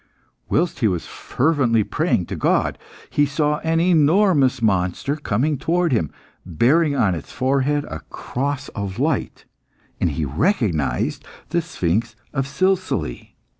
Whilst he was fervently praying to God, he saw an enormous monster coming towards him, bearing on its forehead a cross of light, and he recognised the sphinx of Silsile.